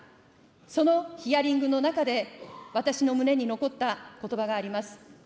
そのヒアリングの中で、私の胸に残ったことばがあります。